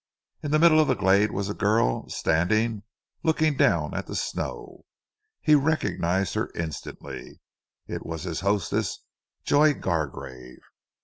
In the middle of the glade a girl was standing looking down at the snow. He recognized her instantly. It was his hostess, Joy Gargrave.